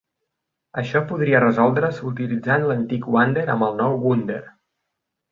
Això podria resoldre's utilitzant l'antic "wander" amb el nou "wunder".